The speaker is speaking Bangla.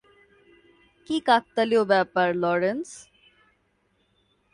কী কাকতালীয় ব্যাপার, লরেন্স।